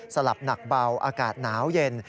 สลับหนักเบาอากาศหนาวเย็น